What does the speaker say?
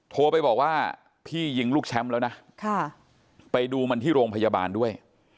โทรไปบอกว่าพี่ยิงลูกแชมป์แล้วนะไปดูมันที่โรงพยาบาลด้วย